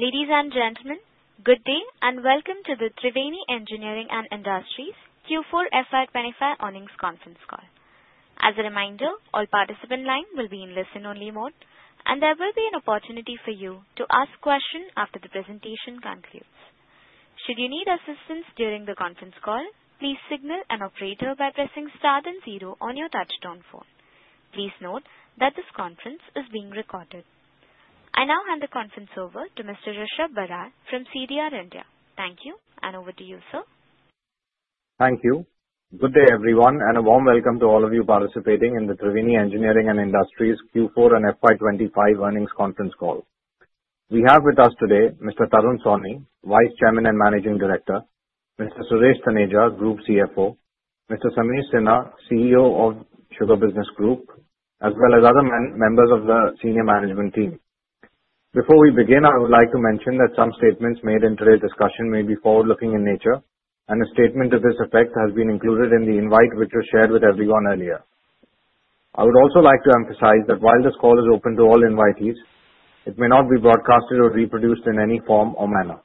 Ladies and gentlemen, good day and welcome to the Triveni Engineering & Industries Q4 FY25 earnings conference call. As a reminder, all participant lines will be in listen-only mode, and there will be an opportunity for you to ask questions after the presentation concludes. Should you need assistance during the conference call, please signal an operator by pressing star and zero on your touch-tone phone. Please note that this conference is being recorded. I now hand the conference over to Mr. Rishab Barar from CDR India. Thank you, and over to you, sir. Thank you. Good day, everyone, and a warm welcome to all of you participating in the Triveni Engineering & Industries Q4 and FY25 earnings conference call. We have with us today Mr. Tarun Sawhney, Vice Chairman and Managing Director, Mr. Suresh Taneja, Group CFO, Mr. Sameer Sinha, CEO of Sugar Business Group, as well as other members of the senior management team. Before we begin, I would like to mention that some statements made in today's discussion may be forward-looking in nature, and a statement to this effect has been included in the invite which was shared with everyone earlier. I would also like to emphasize that while this call is open to all invitees, it may not be broadcasted or reproduced in any form or manner.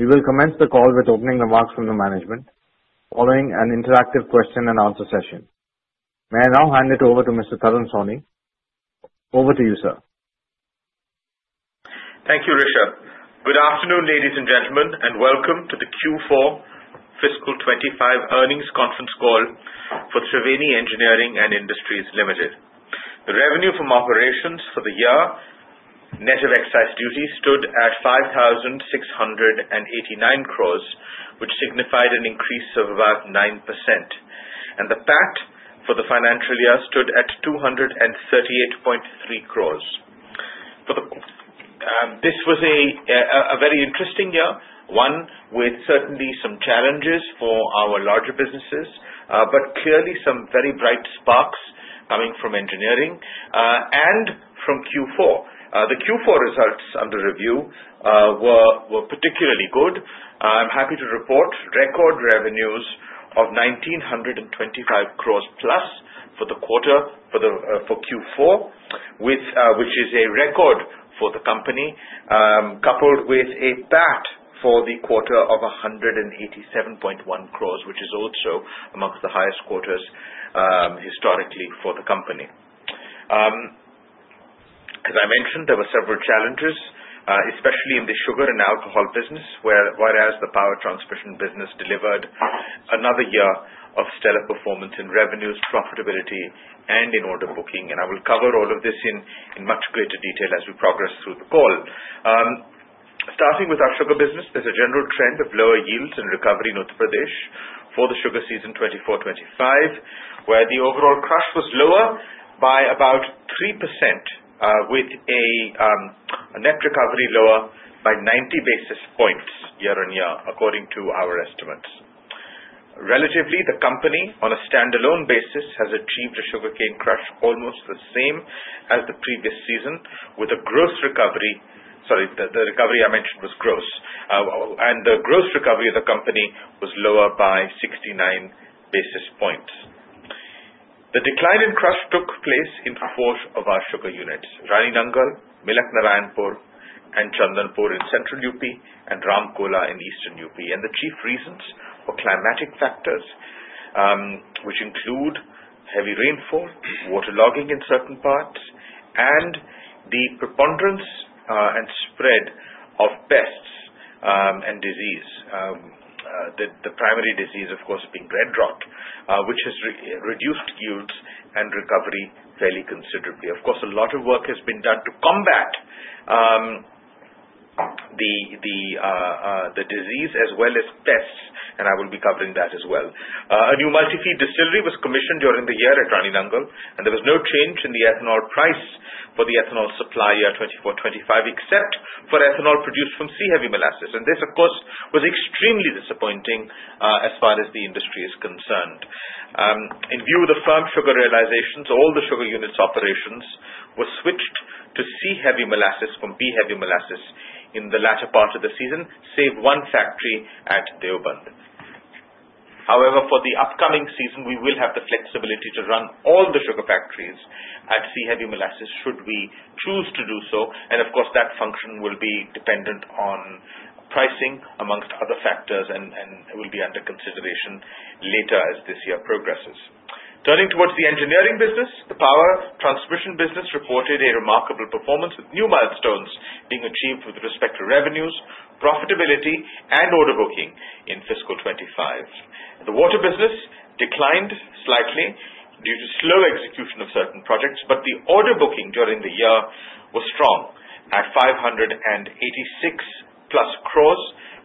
We will commence the call with opening remarks from the management, following an interactive question-and-answer session. May I now hand it over to Mr. Tarun Sawhney? Over to you, sir. Thank you, Rishab. Good afternoon, ladies and gentlemen, and welcome to the Q4 Fiscal 25 earnings conference call for Triveni Engineering & Industries Limited. The revenue from operations for the year, net of excise duties, stood at 5,689 crores, which signified an increase of about 9%. And the PAT for the financial year stood at 238.3 crores. This was a very interesting year, one with certainly some challenges for our larger businesses, but clearly some very bright sparks coming from engineering and from Q4. The Q4 results under review were particularly good. I'm happy to report record revenues of 1,925 crores plus for the quarter for Q4, which is a record for the company, coupled with a PAT for the quarter of 187.1 crores, which is also amongst the highest quarters historically for the company. As I mentioned, there were several challenges, especially in the sugar and alcohol business, whereas the power transmission business delivered another year of stellar performance in revenues, profitability, and in order booking, and I will cover all of this in much greater detail as we progress through the call. Starting with our sugar business, there's a general trend of lower yields and recovery in Uttar Pradesh for the sugar season 2024-25, where the overall crush was lower by about 3%, with a net recovery lower by 90 basis points year on year, according to our estimates. Relatively, the company, on a standalone basis, has achieved a sugarcane crush almost the same as the previous season, with a gross recovery, sorry, the recovery I mentioned was gross, and the gross recovery of the company was lower by 69 basis points. The decline in crush took place in four of our sugar units: Rani Nangal, Milak Narayanpur, and Chandanpur in central UP, and Ramkola in eastern UP, and the chief reasons were climatic factors, which include heavy rainfall, waterlogging in certain parts, and the preponderance and spread of pests and disease. The primary disease, of course, being red rot, which has reduced yields and recovery fairly considerably. Of course, a lot of work has been done to combat the disease as well as pests, and I will be covering that as well. A new multifeed distillery was commissioned during the year at Rani Nangal, and there was no change in the ethanol price for the ethanol supply year 2024-25, except for ethanol produced from C-heavy molasses, and this, of course, was extremely disappointing as far as the industry is concerned. In view of the firm sugar realizations, all the sugar units' operations were switched to C-heavy molasses from B-heavy molasses in the latter part of the season, save one factory at Deoband. However, for the upcoming season, we will have the flexibility to run all the sugar factories at C-heavy molasses should we choose to do so, and of course, that function will be dependent on pricing among other factors, and it will be under consideration later as this year progresses. Turning towards the engineering business, the power transmission business reported a remarkable performance, with new milestones being achieved with respect to revenues, profitability, and order booking in fiscal 25. The water business declined slightly due to slow execution of certain projects, but the order booking during the year was strong at 586 crores plus,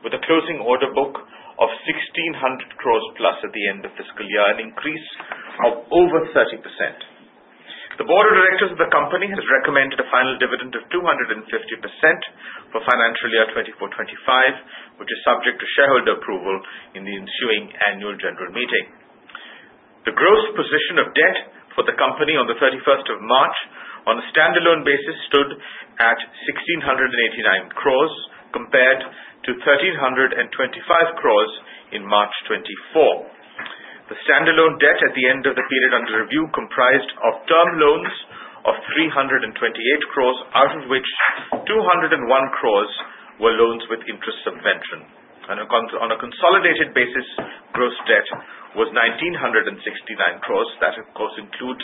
with a closing order book of 1,600 crores plus at the end of fiscal year, an increase of over 30%. The board of directors of the company has recommended a final dividend of 250% for financial year 2024-2025, which is subject to shareholder approval in the ensuing annual general meeting. The gross position of debt for the company on the 31st of March on a standalone basis stood at 1,689 crores, compared to 1,325 crores in March 2024. The standalone debt at the end of the period under review comprised of term loans of 328 crores, out of which 201 crores were loans with interest subvention. On a consolidated basis, gross debt was 1,969 crores. That, of course, includes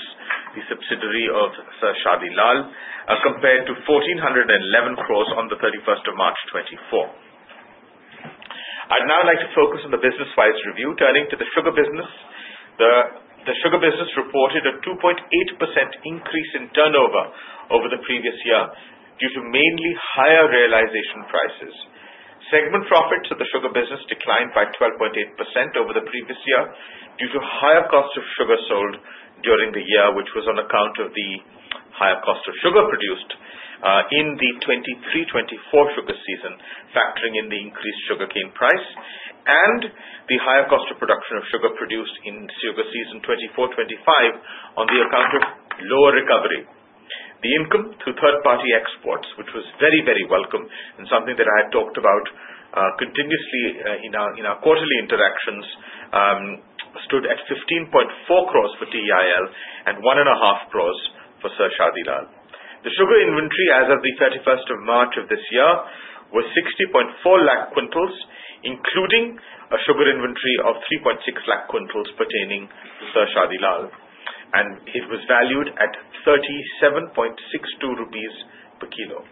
the subsidiary of Sir Shadi Lal, compared to 1,411 crores on the 31st of March 2024. I'd now like to focus on the business-wise review, turning to the sugar business. The sugar business reported a 2.8% increase in turnover over the previous year due to mainly higher realization prices. Segment profits of the sugar business declined by 12.8% over the previous year due to higher cost of sugar sold during the year, which was on account of the higher cost of sugar produced in the 2023-2024 sugar season, factoring in the increased sugarcane price and the higher cost of production of sugar produced in sugar season 2024-2025 on the account of lower recovery. The income through third-party exports, which was very, very welcome and something that I had talked about continuously in our quarterly interactions, stood at 15.4 crores for TEIL and 1.5 crores for Sir Shadi Lal. The sugar inventory as of the 31st of March of this year was 60.4 lakh quintals, including a sugar inventory of 3.6 lakh quintals pertaining to Sir Shadi Lal, and it was valued at 37.62 rupees per kilo.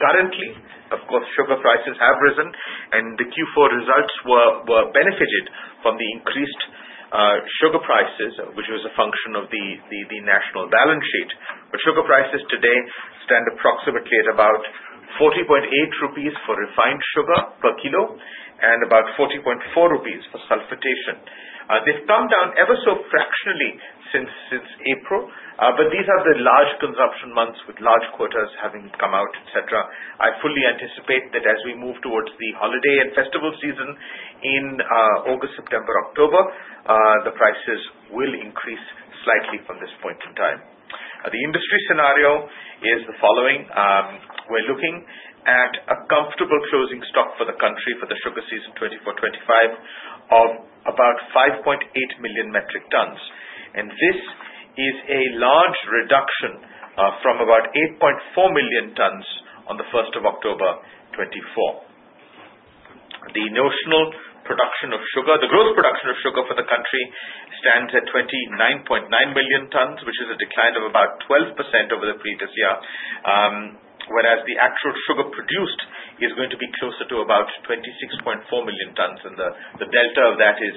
Currently, of course, sugar prices have risen, and the Q4 results were benefited from the increased sugar prices, which was a function of the national balance sheet. But sugar prices today stand approximately at about 40.8 rupees for refined sugar per kilo and about 40.4 rupees for sulphitation. They've come down ever so fractionally since April, but these are the large consumption months with large quotas having come out, etc. I fully anticipate that as we move towards the holiday and festival season in August, September, October, the prices will increase slightly from this point in time. The industry scenario is the following. We're looking at a comfortable closing stock for the country for the sugar season 2024-25 of about 5.8 million metric tons. And this is a large reduction from about 8.4 million tons on the 1st of October 2024. The notional production of sugar, the gross production of sugar for the country, stands at 29.9 million tons, which is a decline of about 12% over the previous year, whereas the actual sugar produced is going to be closer to about 26.4 million tons. And the delta of that is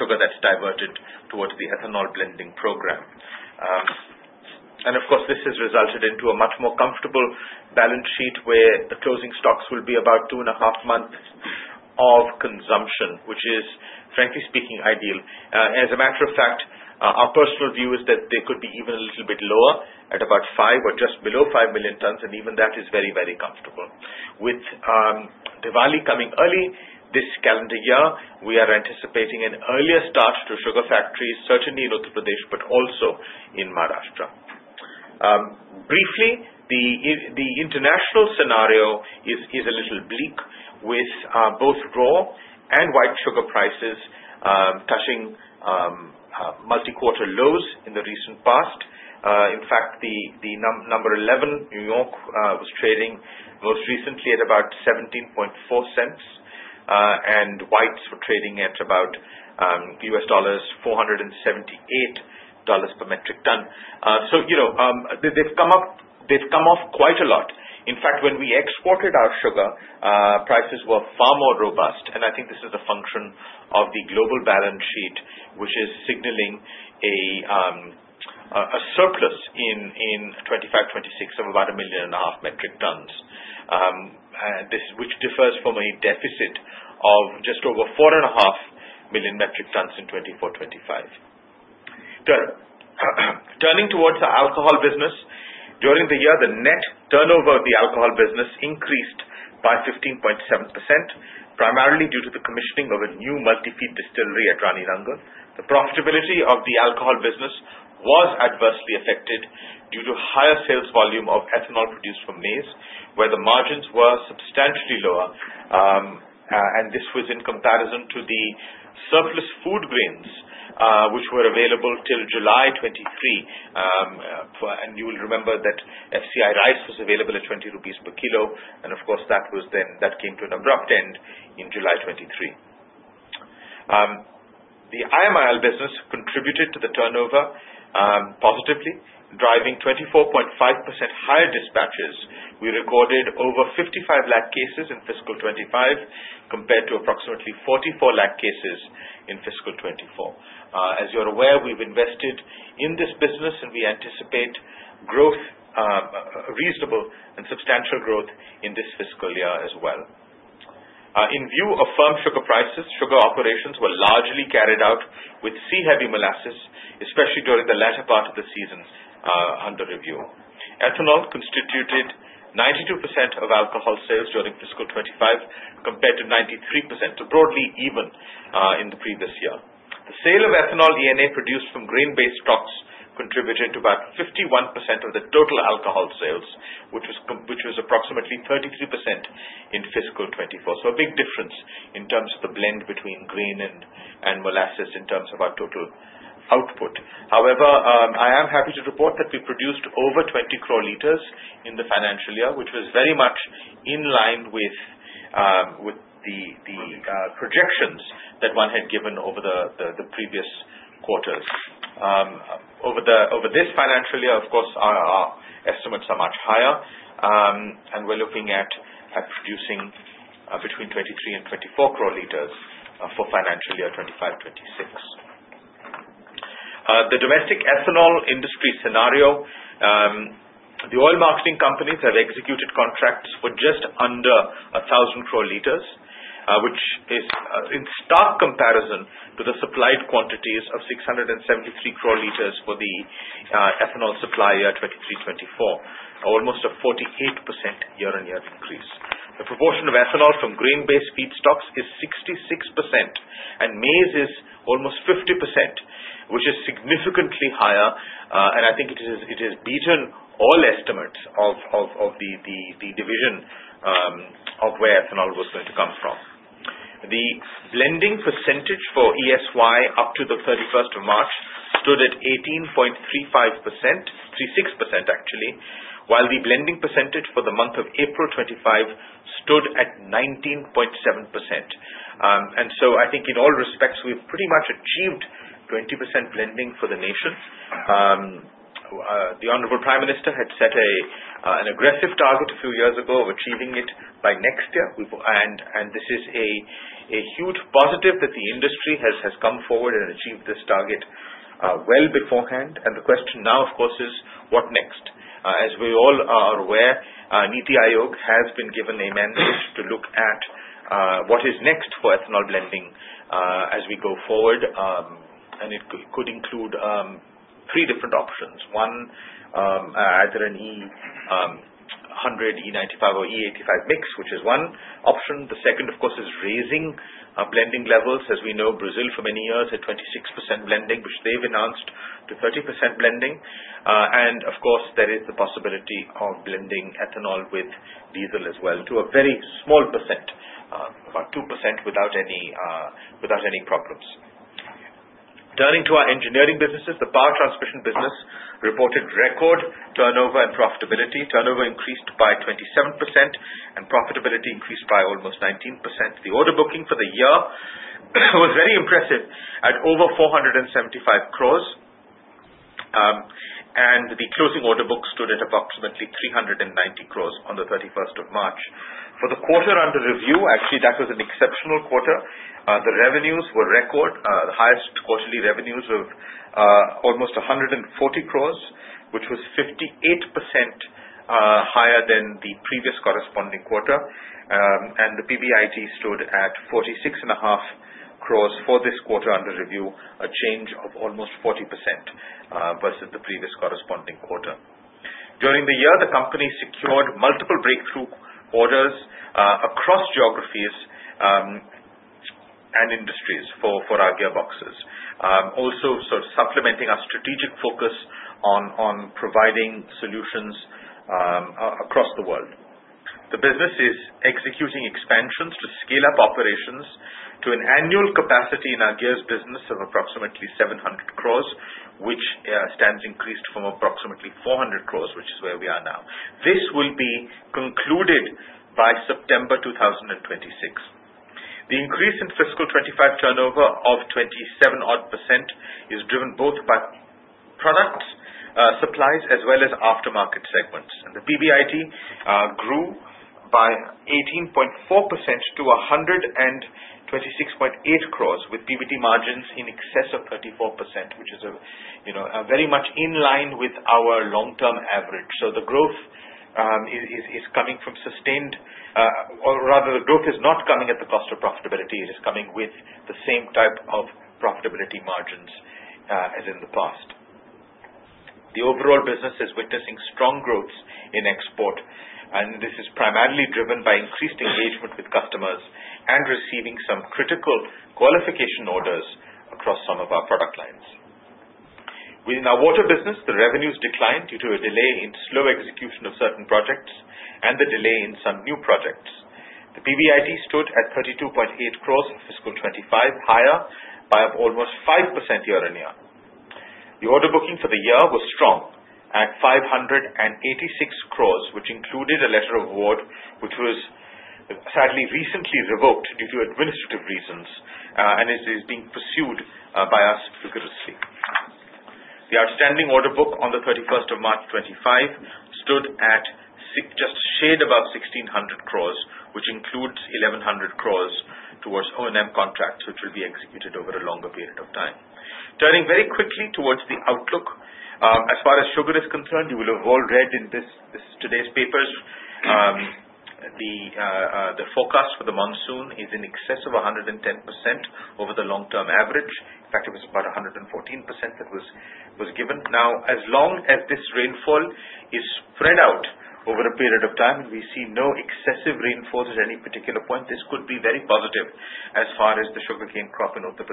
sugar that's diverted towards the ethanol blending program. Of course, this has resulted into a much more comfortable balance sheet where the closing stocks will be about two and a half months of consumption, which is, frankly speaking, ideal. As a matter of fact, our personal view is that they could be even a little bit lower at about five or just below five million tons, and even that is very, very comfortable. With Diwali coming early this calendar year, we are anticipating an earlier start to sugar factories, certainly in Uttar Pradesh, but also in Maharashtra. Briefly, the international scenario is a little bleak, with both raw and white sugar prices touching multi-quarter lows in the recent past. In fact, the number 11, New York, was trading most recently at about 17.4 cents, and whites were trading at about $478 per metric ton. So they've come off quite a lot. In fact, when we exported our sugar, prices were far more robust, and I think this is a function of the global balance sheet, which is signaling a surplus in 2025-2026 of about 1.5 million metric tons, which differs from a deficit of just over 4.5 million metric tons in 2024-2025. Turning towards the alcohol business, during the year, the net turnover of the alcohol business increased by 15.7%, primarily due to the commissioning of a new multi-feed distillery at Rani Nangal. The profitability of the alcohol business was adversely affected due to higher sales volume of ethanol produced from maize, where the margins were substantially lower, and this was in comparison to the surplus food grains, which were available till July 2023. You will remember that FCI rice was available at 20 rupees per kilo, and of course, that came to an abrupt end in July 2023. The IMIL business contributed to the turnover positively, driving 24.5% higher dispatches. We recorded over 55 lakh cases in fiscal 2025, compared to approximately 44 lakh cases in fiscal 2024. As you're aware, we've invested in this business, and we anticipate reasonable and substantial growth in this fiscal year as well. In view of firm sugar prices, sugar operations were largely carried out with C-heavy molasses, especially during the latter part of the season under review. Ethanol constituted 92% of alcohol sales during fiscal 2025, compared to 93%, so broadly even in the previous year. The sale of ethanol, ENA produced from grain-based stocks contributed to about 51% of the total alcohol sales, which was approximately 33% in fiscal 2024. So a big difference in terms of the blend between grain and molasses in terms of our total output. However, I am happy to report that we produced over 20 crore liters in the financial year, which was very much in line with the projections that one had given over the previous quarters. Over this financial year, of course, our estimates are much higher, and we're looking at producing between 23 and 24 crore liters for financial year 2025-2026. The domestic ethanol industry scenario, the oil marketing companies have executed contracts for just under 1,000 crore liters, which is in stark comparison to the supplied quantities of 673 crore liters for the ethanol supply year 2023-2024, almost a 48% year-on-year increase. The proportion of ethanol from grain-based feed stocks is 66%, and maize is almost 50%, which is significantly higher, and I think it has beaten all estimates of the division of where ethanol was going to come from. The blending percentage for ESY up to the 31st of March stood at 18.35%, 36% actually, while the blending percentage for the month of April 2025 stood at 19.7%. And so I think in all respects, we've pretty much achieved 20% blending for the nation. The Honorable Prime Minister had set an aggressive target a few years ago of achieving it by next year, and this is a huge positive that the industry has come forward and achieved this target well beforehand. And the question now, of course, is what next? As we all are aware, NITI Aayog has been given a mandate to look at what is next for ethanol blending as we go forward, and it could include three different options. One, either an E100, E95, or E85 mix, which is one option. The second, of course, is raising blending levels. As we know, Brazil for many years had 26% blending, which they've enhanced to 30% blending. And of course, there is the possibility of blending ethanol with diesel as well to a very small %, about 2% without any problems. Turning to our engineering businesses, the power transmission business reported record turnover and profitability. Turnover increased by 27%, and profitability increased by almost 19%. The order booking for the year was very impressive at over 475 crores, and the closing order book stood at approximately 390 crores on the 31st of March. For the quarter under review, actually, that was an exceptional quarter. The revenues were record. The highest quarterly revenues were almost 140 crores, which was 58% higher than the previous corresponding quarter, and the PBIT stood at 46.5 crores for this quarter under review, a change of almost 40% versus the previous corresponding quarter. During the year, the company secured multiple breakthrough orders across geographies and industries for our gearboxes, also supplementing our strategic focus on providing solutions across the world. The business is executing expansions to scale up operations to an annual capacity in our gears business of approximately 700 crores, which stands increased from approximately 400 crores, which is where we are now. This will be concluded by September 2026. The increase in fiscal '25 turnover of 27%-odd is driven both by product supplies as well as aftermarket segments. The PBIT grew by 18.4% to 126.8 crores, with PBT margins in excess of 34%, which is very much in line with our long-term average. The growth is coming from sustained or rather, the growth is not coming at the cost of profitability. It is coming with the same type of profitability margins as in the past. The overall business is witnessing strong growth in export, and this is primarily driven by increased engagement with customers and receiving some critical qualification orders across some of our product lines. Within our water business, the revenues declined due to a delay in slow execution of certain projects and the delay in some new projects. The PBIT stood at 32.8 crores for fiscal 2025, higher by almost 5% year-on-year. The order booking for the year was strong at 586 crores, which included a letter of award, which was sadly recently revoked due to administrative reasons and is being pursued by us vigorously. The outstanding order book on the 31st of March 2025 stood at just a shade above 1,600 crores, which includes 1,100 crores towards O&M contracts, which will be executed over a longer period of time. Turning very quickly towards the outlook, as far as sugar is concerned, you will have all read in today's papers, the forecast for the monsoon is in excess of 110% over the long-term average. In fact, it was about 114% that was given. Now, as long as this rainfall is spread out over a period of time and we see no excessive rainfall at any particular point, this could be very positive as far as the sugarcane crop in Uttar Pradesh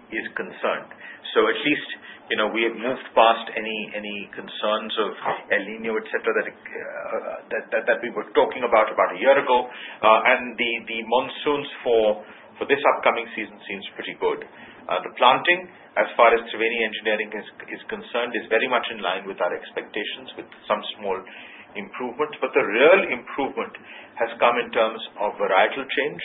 is concerned. So at least we have moved past any concerns of El Niño, etc., that we were talking about a year ago, and the monsoons for this upcoming season seem pretty good. The planting, as far as Triveni Engineering is concerned, is very much in line with our expectations with some small improvements, but the real improvement has come in terms of varietal change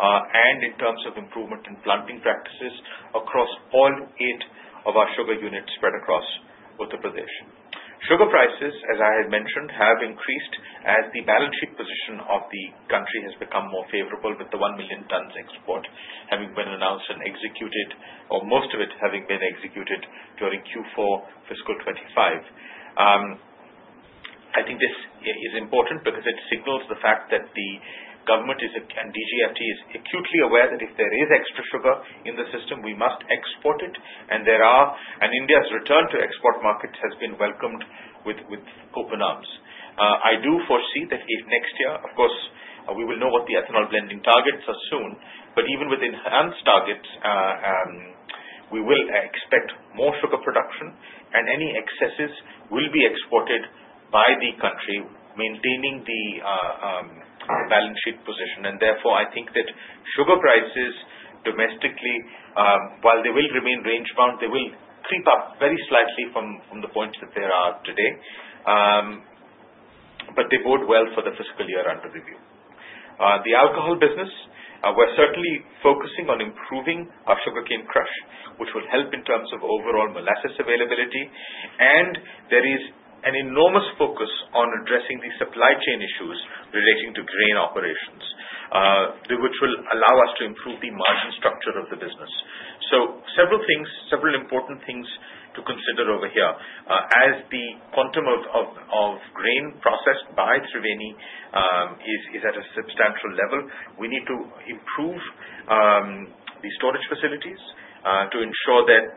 and in terms of improvement in planting practices across all eight of our sugar units spread across Uttar Pradesh. Sugar prices, as I had mentioned, have increased as the balance sheet position of the country has become more favorable with the one million tons export having been announced and executed, or most of it having been executed during Q4 fiscal 2025. I think this is important because it signals the fact that the government and DGFT is acutely aware that if there is extra sugar in the system, we must export it, and India's return to export markets has been welcomed with open arms. I do foresee that if next year, of course, we will know what the ethanol blending targets are soon, but even with enhanced targets, we will expect more sugar production, and any excesses will be exported by the country, maintaining the balance sheet position, and therefore, I think that sugar prices domestically, while they will remain range-bound, they will creep up very slightly from the points that they are today, but they bode well for the fiscal year under review. The alcohol business, we're certainly focusing on improving our sugarcane crush, which will help in terms of overall molasses availability. There is an enormous focus on addressing the supply chain issues relating to grain operations, which will allow us to improve the margin structure of the business. Several important things to consider over here. As the quantum of grain processed by Triveni is at a substantial level, we need to improve the storage facilities to ensure that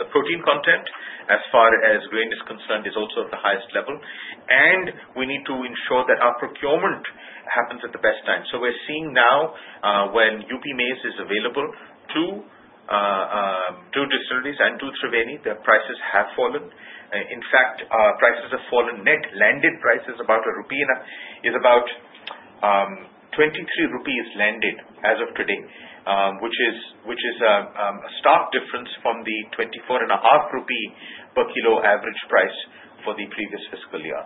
the protein content, as far as grain is concerned, is also at the highest level. We need to ensure that our procurement happens at the best time. We're seeing now when UP maize is available to distilleries and to Triveni, their prices have fallen. In fact, prices have fallen net a rupee. Landed price is about 23 rupees landed as of today, which is a stark difference from the 24.5 rupee per kilo average price for the previous fiscal year.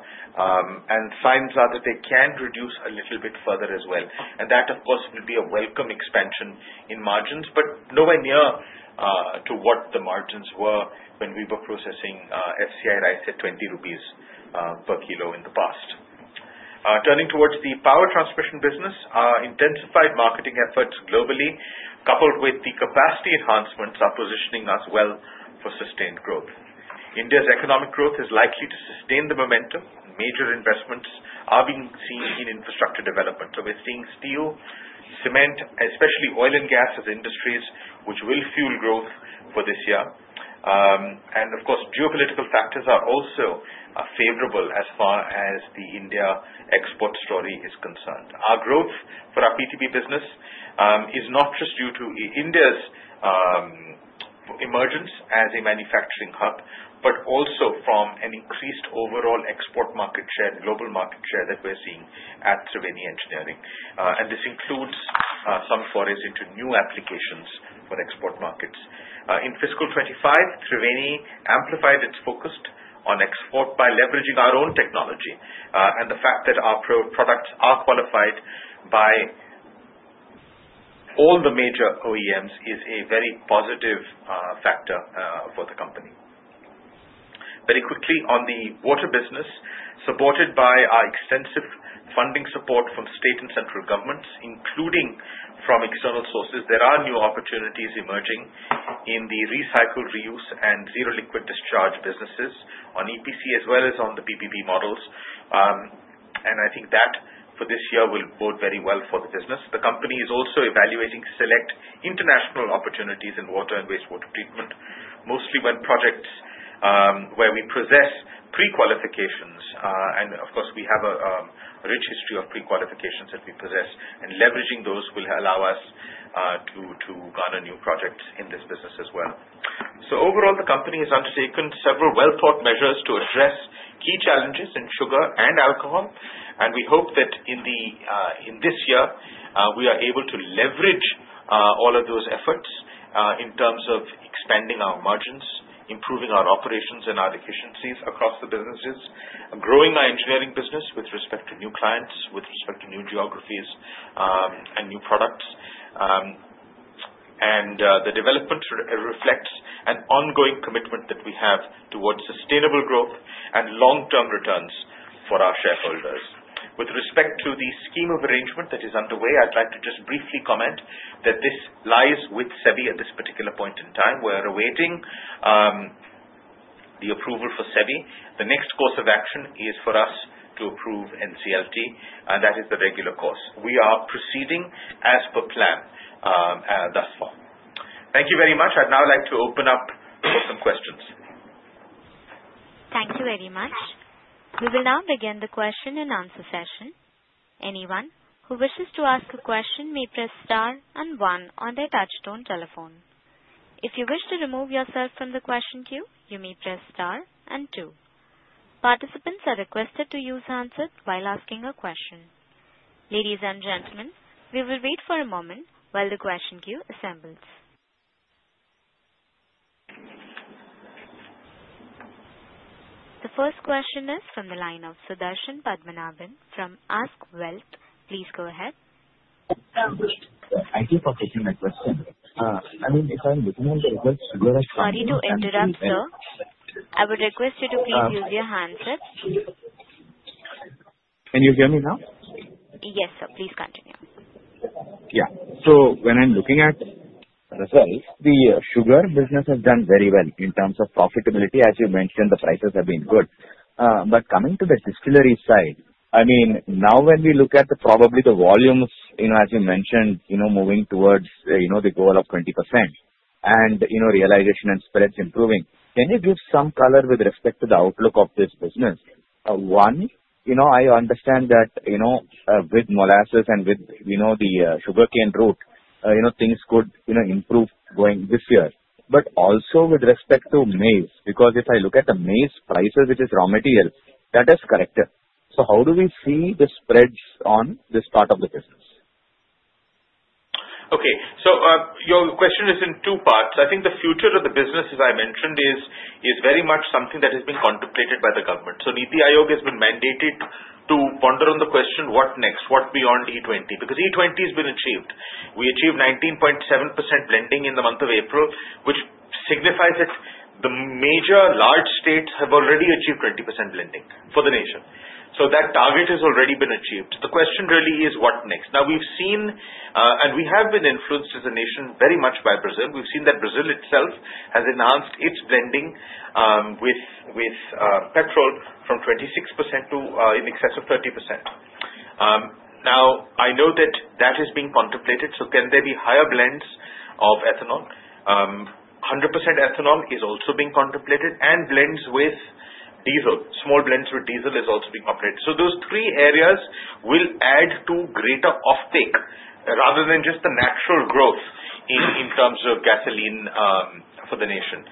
Signs are that they can reduce a little bit further as well. And that, of course, will be a welcome expansion in margins, but nowhere near to what the margins were when we were processing FCI rice at 20 rupees per kilo in the past. Turning towards the power transmission business, intensified marketing efforts globally, coupled with the capacity enhancements, are positioning us well for sustained growth. India's economic growth is likely to sustain the momentum. Major investments are being seen in infrastructure development. So we're seeing steel, cement, especially oil and gas as industries, which will fuel growth for this year. And of course, geopolitical factors are also favorable as far as the India export story is concerned. Our growth for our PTB business is not just due to India's emergence as a manufacturing hub, but also from an increased overall export market share, global market share that we're seeing at Triveni Engineering. And this includes some forays into new applications for export markets. In fiscal 2025, Triveni amplified its focus on export by leveraging our own technology. And the fact that our products are qualified by all the major OEMs is a very positive factor for the company. Very quickly on the water business, supported by our extensive funding support from state and central governments, including from external sources, there are new opportunities emerging in the recycle, reuse, and zero liquid discharge businesses on EPC as well as on the PPP models. And I think that for this year will bode very well for the business. The company is also evaluating select international opportunities in water and wastewater treatment, mostly when projects where we possess pre-qualifications. And of course, we have a rich history of pre-qualifications that we possess, and leveraging those will allow us to garner new projects in this business as well. So overall, the company has undertaken several well-thought measures to address key challenges in sugar and alcohol. And we hope that in this year, we are able to leverage all of those efforts in terms of expanding our margins, improving our operations and our efficiencies across the businesses, growing our engineering business with respect to new clients, with respect to new geographies and new products. And the development reflects an ongoing commitment that we have towards sustainable growth and long-term returns for our shareholders. With respect to the scheme of arrangement that is underway, I'd like to just briefly comment that this lies with SEBI at this particular point in time. We are awaiting the approval for SEBI. The next course of action is for us to approve NCLT, and that is the regular course. We are proceeding as per plan thus far. Thank you very much. I'd now like to open up for some questions. Thank you very much. We will now begin the question and answer session. Anyone who wishes to ask a question may press star and one on their touch-tone telephone. If you wish to remove yourself from the question queue, you may press star and two. Participants are requested to use the handset while asking a question. Ladies and gentlemen, we will wait for a moment while the question queue assembles. The first question is from the line of Sudarshan Padmanabhan from ASK Wealth. Please go ahead. Thank you for taking my question. I mean, if I'm looking at the results, sugar has gone down. Sorry to interrupt, sir. I would request you to please use your hands up. Can you hear me now? Yes, sir. Please continue. Yeah. So when I'm looking at results, the sugar business has done very well in terms of profitability. As you mentioned, the prices have been good. But coming to the distillery side, I mean, now when we look at probably the volumes, as you mentioned, moving towards the goal of 20% and realization and spreads improving, can you give some color with respect to the outlook of this business? One, I understand that with molasses and with the sugarcane root, things could improve going this year. But also with respect to maize, because if I look at the maize prices, which is raw material, that is correct. So how do we see the spreads on this part of the business? Okay. So your question is in two parts. I think the future of the business, as I mentioned, is very much something that has been contemplated by the government. So NITI Aayog has been mandated to ponder on the question, what next? What beyond E20? Because E20 has been achieved. We achieved 19.7% blending in the month of April, which signifies that the major large states have already achieved 20% blending for the nation. So that target has already been achieved. The question really is, what next? Now, we've seen, and we have been influenced as a nation very much by Brazil. We've seen that Brazil itself has enhanced its blending with petrol from 26% to in excess of 30%. Now, I know that that is being contemplated. So can there be higher blends of ethanol? 100% ethanol is also being contemplated, and blends with diesel, small blends with diesel is also being operated. So those three areas will add to greater offtake rather than just the natural growth in terms of gasoline for the nation.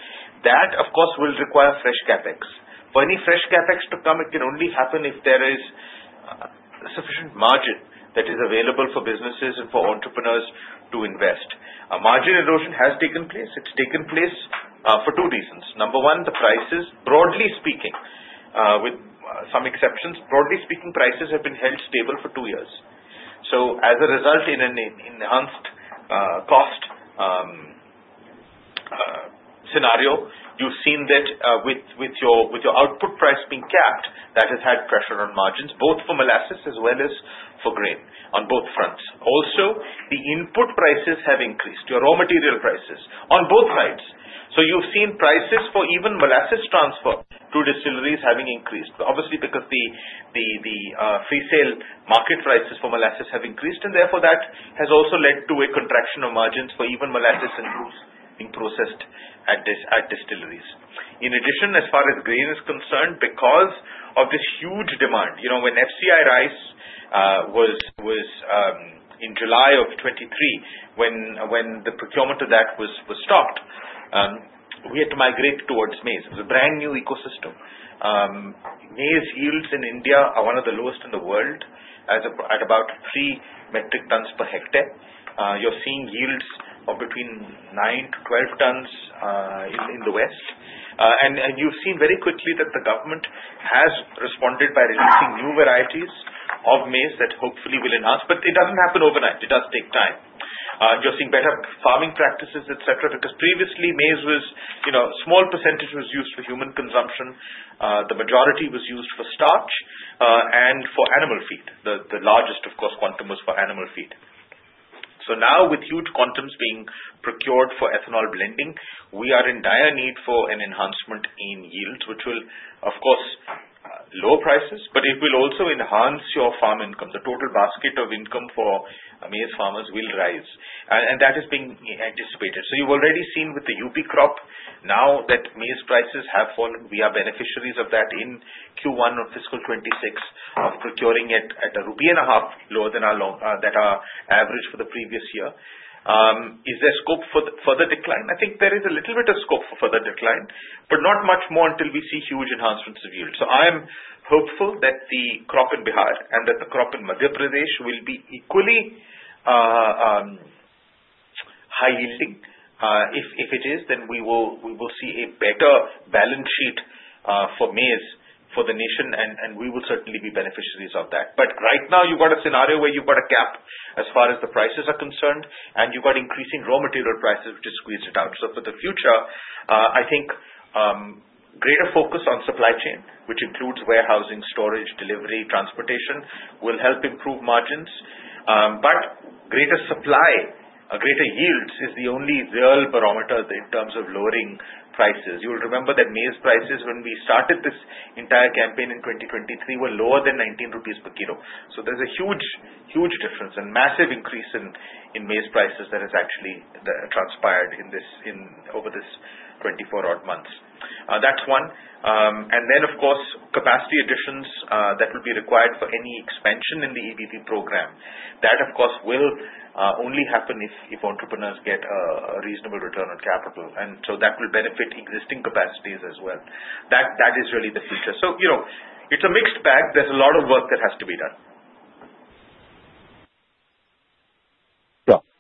That, of course, will require fresh CapEx. For any fresh CapEx to come, it can only happen if there is sufficient margin that is available for businesses and for entrepreneurs to invest. Margin erosion has taken place. It's taken place for two reasons. Number one, the prices, broadly speaking, with some exceptions, broadly speaking, prices have been held stable for two years. As a result, in an enhanced cost scenario, you've seen that with your output price being capped, that has had pressure on margins, both for molasses as well as for grain on both fronts. Also, the input prices have increased, your raw material prices on both sides. You've seen prices for even molasses transfer to distilleries having increased, obviously because the freesale market prices for molasses have increased, and therefore that has also led to a contraction of margins for even molasses and grain being processed at distilleries. In addition, as far as grain is concerned, because of this huge demand, when FCI rice was in July of 2023, when the procurement of that was stopped, we had to migrate towards maize. It was a brand new ecosystem. Maize yields in India are one of the lowest in the world at about three metric tons per hectare. You're seeing yields of between nine to 12 tons in the west. And you've seen very quickly that the government has responded by releasing new varieties of maize that hopefully will enhance. But it doesn't happen overnight. It does take time. You're seeing better farming practices, etc., because previously, maize was a small percentage was used for human consumption. The majority was used for starch and for animal feed. The largest, of course, quantum was for animal feed. So now, with huge quantums being procured for ethanol blending, we are in dire need for an enhancement in yields, which will, of course, lower prices, but it will also enhance your farm income. The total basket of income for maize farmers will rise, and that is being anticipated. So you've already seen with the UP crop now that maize prices have fallen. We are beneficiaries of that in Q1 of fiscal 2026 of procuring it at a rupee and a half lower than our average for the previous year. Is there scope for further decline? I think there is a little bit of scope for further decline, but not much more until we see huge enhancements of yield. So I am hopeful that the crop in Bihar and that the crop in Madhya Pradesh will be equally high-yielding. If it is, then we will see a better balance sheet for maize for the nation, and we will certainly be beneficiaries of that. But right now, you've got a scenario where you've got a gap as far as the prices are concerned, and you've got increasing raw material prices, which has squeezed it out. So for the future, I think greater focus on supply chain, which includes warehousing, storage, delivery, transportation, will help improve margins. But greater supply, greater yields is the only real barometer in terms of lowering prices. You'll remember that maize prices, when we started this entire campaign in 2023, were lower than 19 rupees per kilo. So there's a huge difference and massive increase in maize prices that has actually transpired over this 24-odd months. That's one. And then, of course, capacity additions that will be required for any expansion in the EBP program. That, of course, will only happen if entrepreneurs get a reasonable return on capital. And so that will benefit existing capacities as well. That is really the future. So it's a mixed bag. There's a lot of work that has to be done.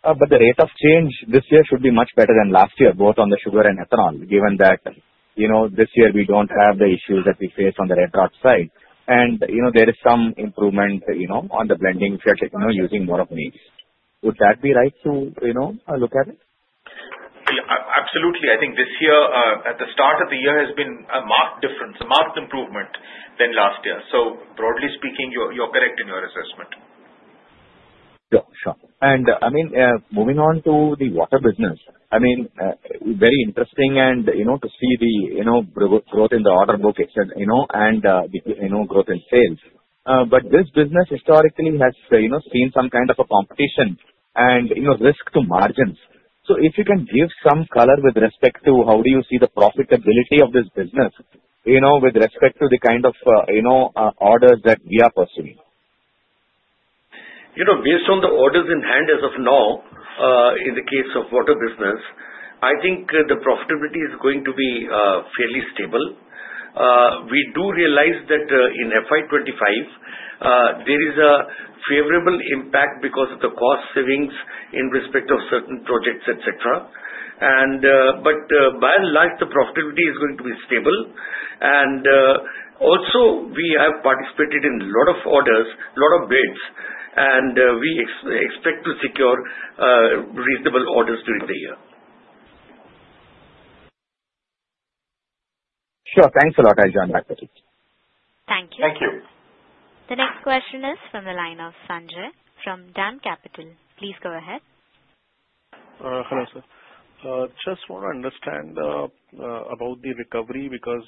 Sure. But the rate of change this year should be much better than last year, both on the sugar and ethanol, given that this year we don't have the issues that we face on the red rot side. And there is some improvement on the blending if you're using more of maize. Would that be right to look at it? Absolutely. I think this year, at the start of the year, has been a marked difference, a marked improvement than last year. So broadly speaking, you're correct in your assessment. Sure. Sure. And I mean, moving on to the water business, I mean, very interesting to see the growth in the order book and growth in sales. But this business historically has seen some kind of a competition and risk to margins. So if you can give some color with respect to how do you see the profitability of this business with respect to the kind of orders that we are pursuing? Based on the orders in hand as of now, in the case of water business, I think the profitability is going to be fairly stable. We do realize that in FY25, there is a favorable impact because of the cost savings in respect of certain projects, etc. But by and large, the profitability is going to be stable. And also, we have participated in a lot of orders, a lot of bids, and we expect to secure reasonable orders during the year. Sure. Thanks a lot, [i will join back in the que]. Thank you. Thank you. The next question is from the line of Sanjay from DAM Capital. Please go ahead. Hello, sir. Just want to understand about the recovery because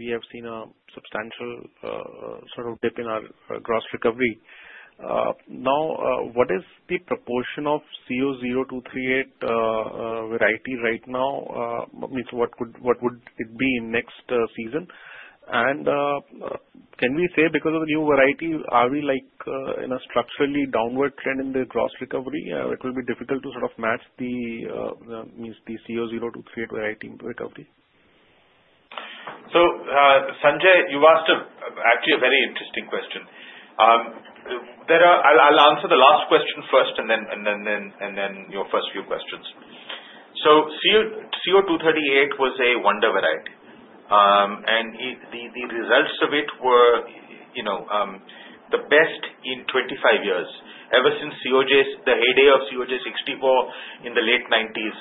we have seen a substantial sort of dip in our gross recovery. Now, what is the proportion of Co-0238 variety right now? What would it be in next season? And can we say, because of the new variety, are we in a structurally downward trend in the gross recovery? It will be difficult to sort of match the Co-0238 variety recovery. So Sanjay, you've asked actually a very interesting question. I'll answer the last question first and then your first few questions. So Co-0238 was a wonder variety, and the results of it were the best in 25 years ever since the heyday of CoJ 64 in the late 1990s.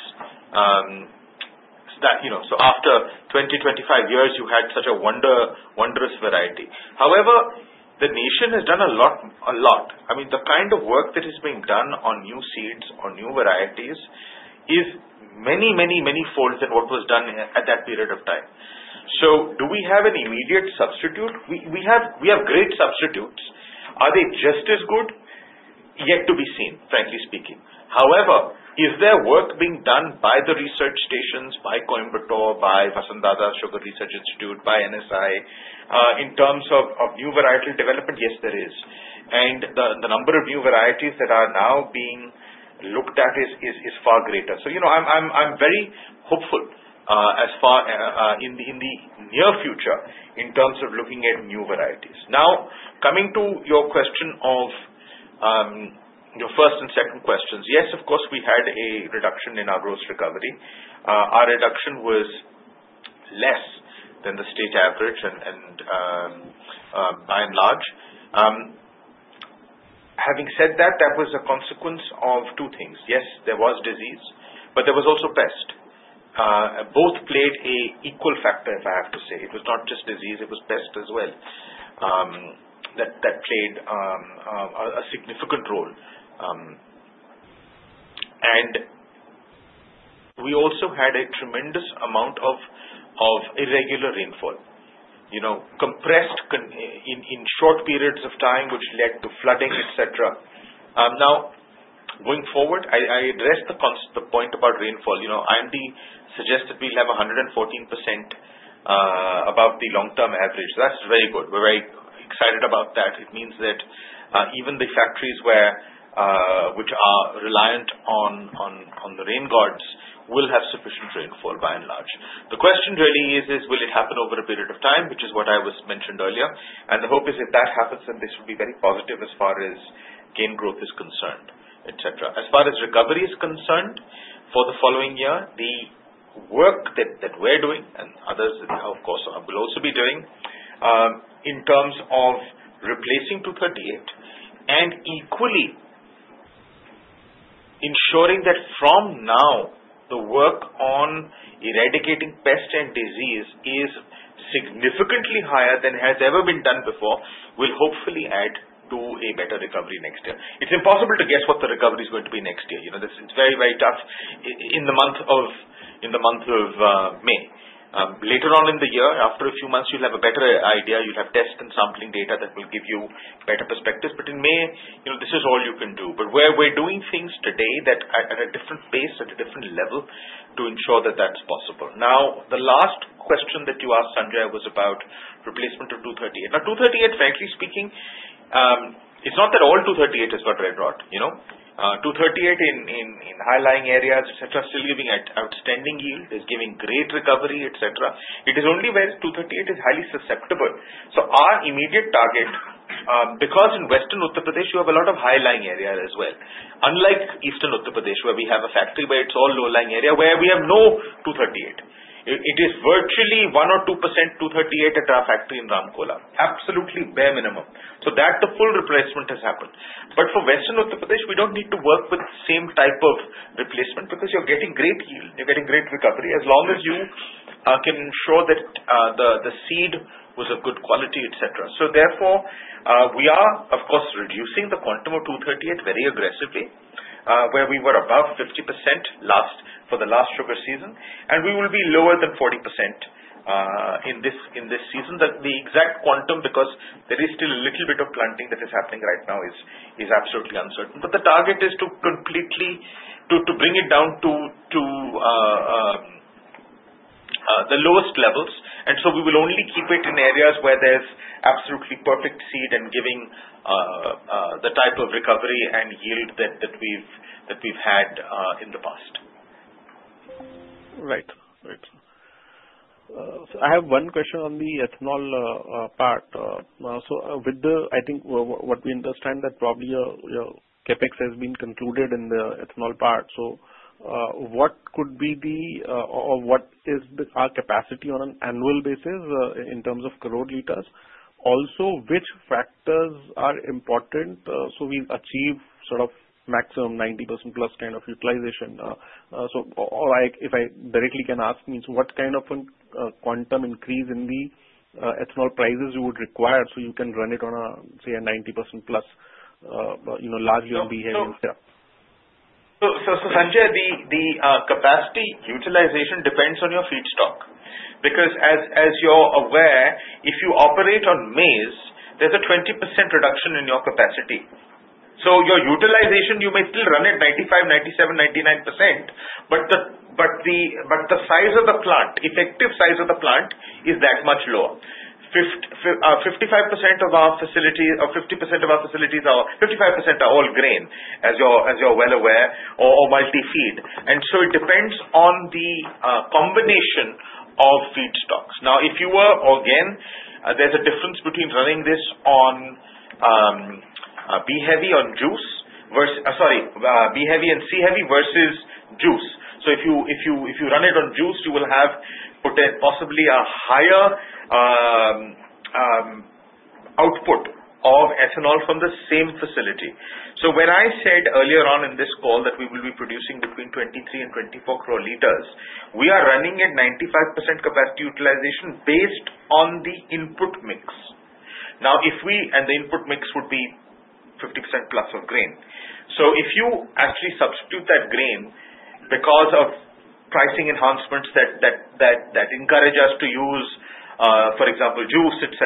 So after 20, 25 years, you had such a wondrous variety. However, the nation has done a lot. I mean, the kind of work that is being done on new seeds, on new varieties is many, many, many folds than what was done at that period of time. So do we have an immediate substitute? We have great substitutes. Are they just as good? Yet to be seen, frankly speaking. However, is there work being done by the research stations, by Coimbatore, by Vasantdada Sugar Research Institute, by NSI in terms of new varietal development? Yes, there is. And the number of new varieties that are now being looked at is far greater. So I'm very hopeful in the near future in terms of looking at new varieties. Now, coming to your question of your first and second questions, yes, of course, we had a reduction in our gross recovery. Our reduction was less than the state average and by and large. Having said that, that was a consequence of two things. Yes, there was disease, but there was also pest. Both played an equal factor, if I have to say. It was not just disease. It was pest as well that played a significant role. And we also had a tremendous amount of irregular rainfall, compressed in short periods of time, which led to flooding, etc. Now, going forward, I addressed the point about rainfall. IMD suggested we'll have 114% above the long-term average. That's very good. We're very excited about that. It means that even the factories which are reliant on the rain gods will have sufficient rainfall by and large. The question really is, will it happen over a period of time, which is what I was mentioned earlier? And the hope is, if that happens, then this will be very positive as far as cane growth is concerned, etc. As far as recovery is concerned for the following year, the work that we're doing and others, of course, will also be doing in terms of replacing 238 and equally ensuring that from now, the work on eradicating pest and disease is significantly higher than has ever been done before will hopefully add to a better recovery next year. It's impossible to guess what the recovery is going to be next year. It's very, very tough in the month of May. Later on in the year, after a few months, you'll have a better idea. You'll have tests and sampling data that will give you better perspectives. But in May, this is all you can do. But we're doing things today at a different pace, at a different level to ensure that that's possible. Now, the last question that you asked, Sanjay, was about replacement of 238. Now, 238, frankly speaking, it's not that all 238 has got red rot. 238 in high-lying areas, etc., still giving outstanding yield, is giving great recovery, etc. It is only where 238 is highly susceptible. So our immediate target, because in Western Uttar Pradesh, you have a lot of high-lying area as well, unlike Eastern Uttar Pradesh where we have a factory where it's all low-lying area where we have no 238. It is virtually 1% or 2% 238 at our factory in Ramkola, absolutely bare minimum. So that the full replacement has happened. But for Western Uttar Pradesh, we don't need to work with the same type of replacement because you're getting great yield. You're getting great recovery as long as you can ensure that the seed was of good quality, etc. So therefore, we are, of course, reducing the quantum of Co-0238 very aggressively, where we were above 50% for the last sugar season, and we will be lower than 40% in this season. The exact quantum, because there is still a little bit of planting that is happening right now, is absolutely uncertain. But the target is to bring it down to the lowest levels. And so we will only keep it in areas where there's absolutely perfect seed and giving the type of recovery and yield that we've had in the past. Right. Right. I have one question on the ethanol part. So I think what we understand that probably your CapEx has been concluded in the ethanol part. So what is our capacity on an annual basis in terms of crore liters? Also, which factors are important so we achieve sort of maximum 90% plus kind of utilization? So if I directly can ask, means what kind of quantum increase in the ethanol prices you would require so you can run it on a, say, a 90% plus large yield behavior? Sure. So Sanjay, the capacity utilization depends on your feedstock. Because as you're aware, if you operate on maize, there's a 20% reduction in your capacity. So your utilization, you may still run at 95%, 97%, 99%, but the size of the plant, effective size of the plant is that much lower. 55% of our facility or 50% of our facilities are all grain, as you're well aware, or multi-feed, and so it depends on the combination of feedstocks. Now, if you were again, there's a difference between running this on B-heavy on juice versus sorry, B-heavy and C-heavy versus juice. So if you run it on juice, you will have possibly a higher output of ethanol from the same facility. So when I said earlier on in this call that we will be producing between 23 and 24 crore liters, we are running at 95% capacity utilization based on the input mix. Now, if we and the input mix would be 50% plus of grain. So if you actually substitute that grain because of pricing enhancements that encourage us to use, for example, juice, etc.,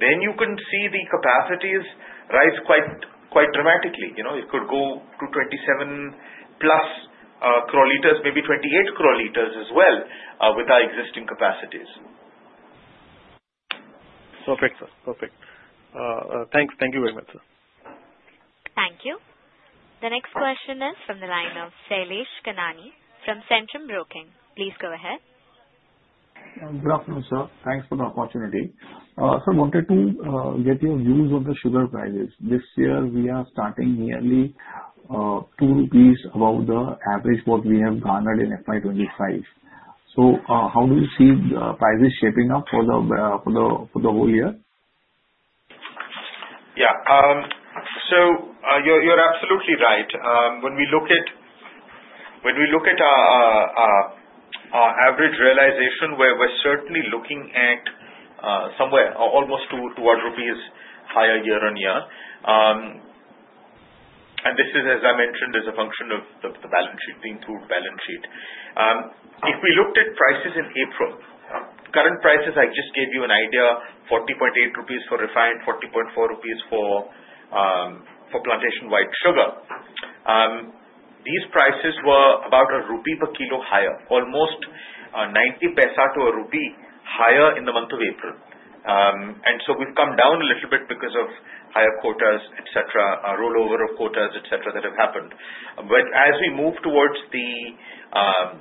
then you can see the capacities rise quite dramatically. It could go to 27 plus crore liters, maybe 28 crore liters as well with our existing capacities. Perfect. Perfect. Thanks. Thank you very much, sir. Thank you. The next question is from the line of Shailesh Kanani from Centrum Broking. Please go ahead. Good afternoon, sir. Thanks for the opportunity. I wanted to get your views on the sugar prices. This year, we are starting nearly 2 rupees above the average what we have garnered in FY25. So how do you see the prices shaping up for the whole year? Yeah. So you're absolutely right. When we look at our average realization, we're certainly looking at somewhere almost toward higher year on year. And this is, as I mentioned, as a function of the balance sheet, the improved balance sheet. If we looked at prices in April, current prices, I just gave you an idea, 40.8 rupees for refined, 40.4 rupees for plantation white sugar. These prices were about a rupee per kilo higher, almost 90 paisa to a rupee higher in the month of April. And so we've come down a little bit because of higher quotas, etc., rollover of quotas, etc., that have happened. But as we move towards the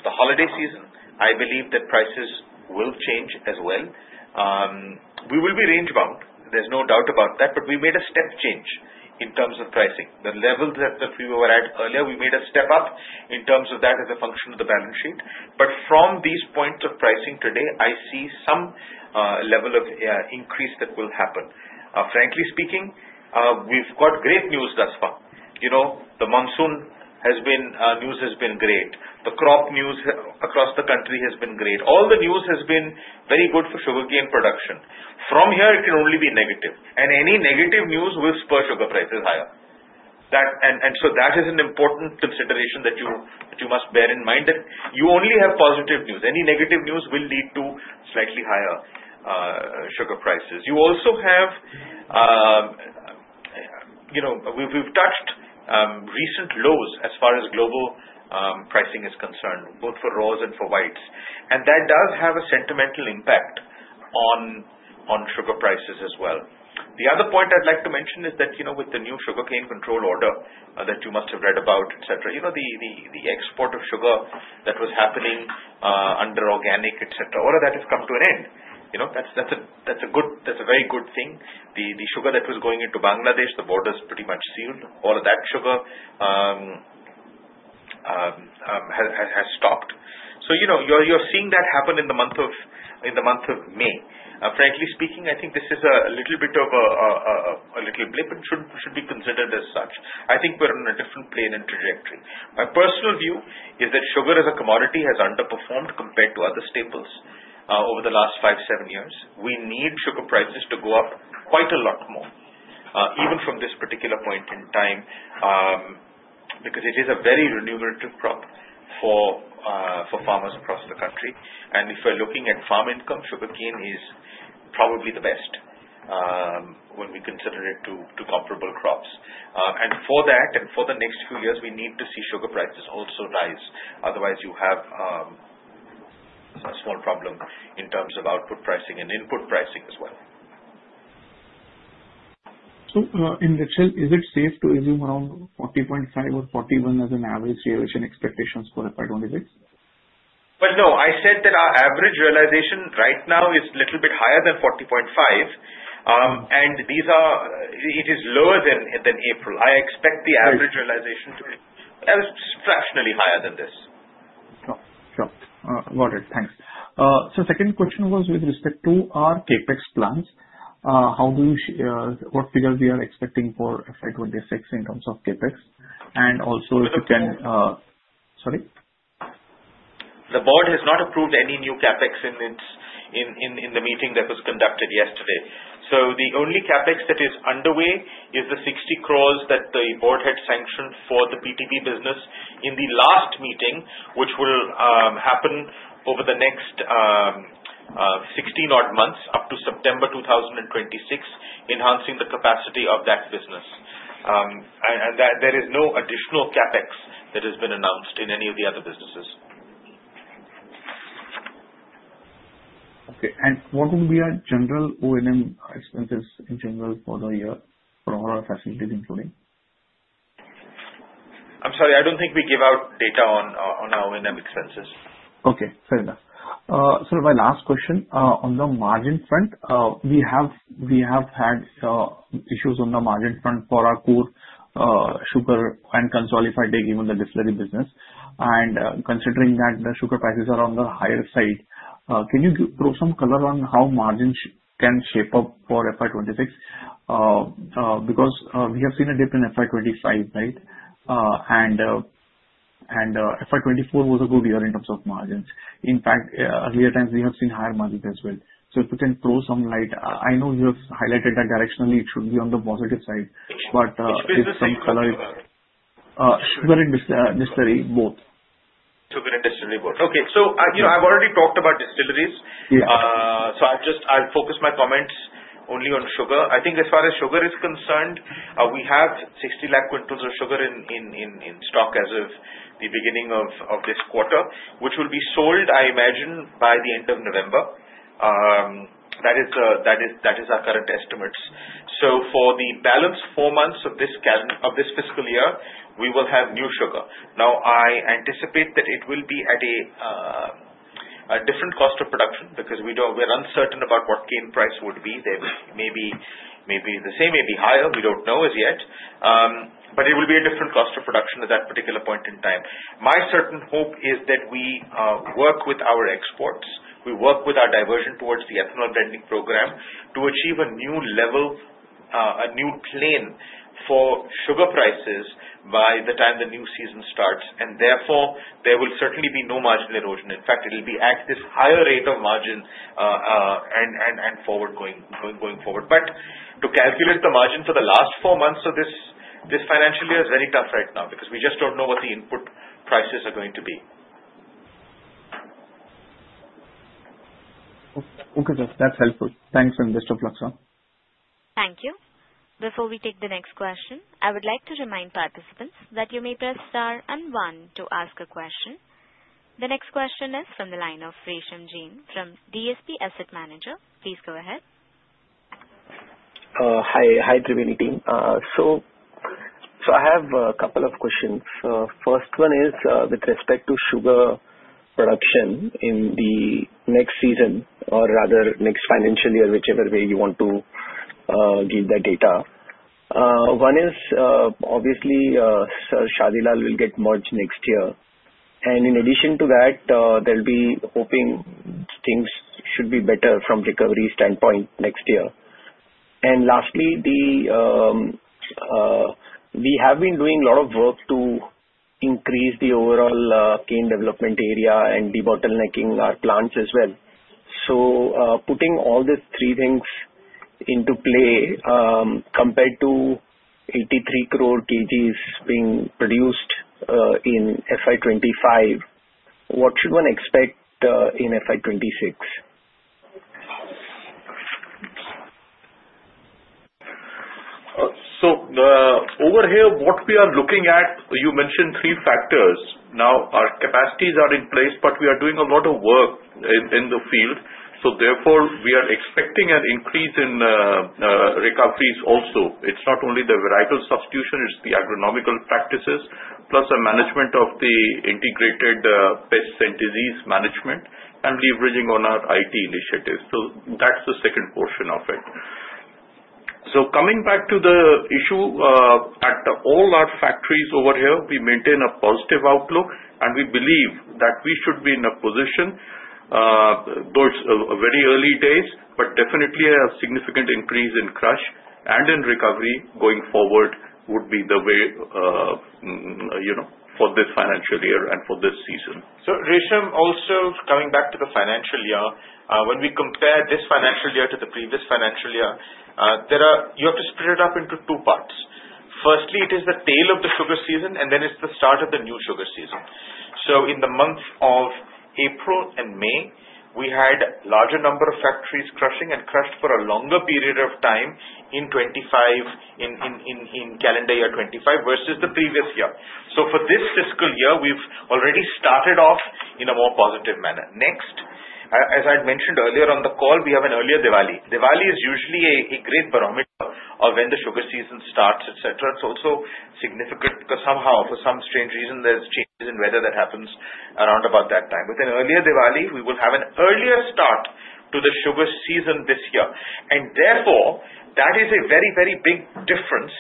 holiday season, I believe that prices will change as well. We will be range-bound. There's no doubt about that. But we made a step change in terms of pricing. The level that we were at earlier, we made a step up in terms of that as a function of the balance sheet. But from these points of pricing today, I see some level of increase that will happen. Frankly speaking, we've got great news thus far. The monsoon news has been great. The crop news across the country has been great. All the news has been very good for sugar grain production. From here, it can only be negative. And any negative news will spur sugar prices higher. And so that is an important consideration that you must bear in mind, that you only have positive news. Any negative news will lead to slightly higher sugar prices. You also, we've touched recent lows as far as global pricing is concerned, both for raws and for whites. And that does have a sentiment impact on sugar prices as well. The other point I'd like to mention is that with the new sugarcane control order that you must have read about, etc., all of that has come to an end. That's a very good thing. The sugar that was going into Bangladesh, the border's pretty much sealed. All of that sugar has stopped. So you're seeing that happen in the month of May. Frankly speaking, I think this is a little bit of a little blip and should be considered as such. I think we're on a different plane and trajectory. My personal view is that sugar as a commodity has underperformed compared to other staples over the last five, seven years. We need sugar prices to go up quite a lot more, even from this particular point in time, because it is a very remunerative crop for farmers across the country. And if we're looking at farm income, sugarcane is probably the best when we consider it to comparable crops. And for that and for the next few years, we need to see sugar prices also rise. Otherwise, you have a small problem in terms of output pricing and input pricing as well. So in return, is it safe to assume around 40.5 or 41 as an average realization expectations for FY26? Well, no. I said that our average realization right now is a little bit higher than 40.5. And it is lower than April. I expect the average realization to be structurally higher than this. Sure. Sure. Got it. Thanks. So second question was with respect to our CapEx plans. What figures we are expecting for FY26 in terms of CapEx? And also if you can, sorry? The board has not approved any new CapEx in the meeting that was conducted yesterday. So the only CapEx that is underway is the 60 crores that the board had sanctioned for the PTB business in the last meeting, which will happen over the next 16-odd months up to September 2026, enhancing the capacity of that business. And there is no additional CapEx that has been announced in any of the other businesses. Okay. What will be our general O&M expenses in general for the year for all our facilities including? I'm sorry. I don't think we give out data on our O&M expenses. Okay. Fair enough. My last question. On the margin front, we have had issues on the margin front for our core sugar and consolidated given the distillery business. Considering that the sugar prices are on the higher side, can you throw some color on how margins can shape up for FY26? Because we have seen a dip in FY25, right? FY24 was a good year in terms of margins. In fact, earlier times, we have seen higher margins as well. If you can throw some light, I know you have highlighted that directionally it should be on the positive side, but if you can throw some color. Sugar and distillery, both. Sugar and distillery, both. Okay. So I've already talked about distilleries. So I'll focus my comments only on sugar. I think as far as sugar is concerned, we have 60 lakh quintals of sugar in stock as of the beginning of this quarter, which will be sold, I imagine, by the end of November. That is our current estimates. So for the balance four months of this fiscal year, we will have new sugar. Now, I anticipate that it will be at a different cost of production because we're uncertain about what cane price would be. Maybe the same may be higher. We don't know as yet. But it will be a different cost of production at that particular point in time. My certain hope is that we work with our exports. We work with our diversion towards the Ethanol Blending Program to achieve a new level, a new plain for sugar prices by the time the new season starts. And therefore, there will certainly be no margin erosion. In fact, it will be at this higher rate of margin and going forward. But to calculate the margin for the last four months of this financial year is very tough right now because we just don't know what the input prices are going to be. Okay. That's helpful. [Thanks and best of luck]. Thank you. Before we take the next question, I would like to remind participants that you may press star and one to ask a question. The next question is from the line of Resham Jain from DSP Asset Managers. Please go ahead. Hi. Hi, Triveni Team. So I have a couple of questions. First one is with respect to sugar production in the next season or rather next financial year, whichever way you want to give that data. One is, obviously, Sir Shadi Lal will get merged next year. In addition to that, there'll be hoping things should be better from recovery standpoint next year. Lastly, we have been doing a lot of work to increase the overall cane development area and de-bottlenecking our plants as well. Putting all these three things into play, compared to 83 crore kgs being produced in FY25, what should one expect in FY26? Over here, what we are looking at, you mentioned three factors. Our capacities are in place, but we are doing a lot of work in the field. Therefore, we are expecting an increase in recoveries also. It's not only the varietal substitution, it's the agronomical practices plus the management of the integrated pests and disease management and leveraging on our IT initiatives. So that's the second portion of it. So coming back to the issue, at all our factories over here, we maintain a positive outlook. And we believe that we should be in a position, though it's very early days, but definitely a significant increase in crush and in recovery going forward would be the way for this financial year and for this season. So Resham, also coming back to the financial year, when we compare this financial year to the previous financial year, you have to split it up into two parts. Firstly, it is the tail of the sugar season, and then it's the start of the new sugar season. So in the month of April and May, we had a larger number of factories crushing and crushed for a longer period of time in calendar year 2025 versus the previous year. So for this fiscal year, we've already started off in a more positive manner. Next, as I had mentioned earlier on the call, we have an earlier Diwali. Diwali is usually a great barometer of when the sugar season starts, etc. It's also significant because somehow, for some strange reason, there's changes in weather that happens around about that time. With an earlier Diwali, we will have an earlier start to the sugar season this year. And therefore, that is a very, very big difference